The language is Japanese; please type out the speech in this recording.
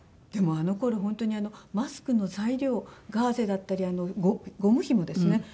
でもあの頃本当にマスクの材料ガーゼだったりゴムひもですね。